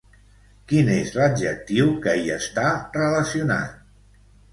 Quin és l'adjectiu que hi està relacionat?